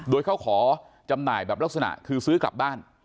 โดยเขาขอจำหน่ายแบบลักษณะคือซื้อกลับบ้าน